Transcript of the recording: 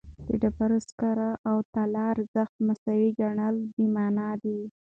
د ډبرې سکاره او طلا ارزښت مساوي ګڼل بېمعنایي ده.